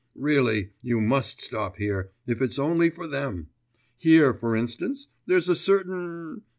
Really you must stop here, if it's only for them. Here, for instance, there's a certain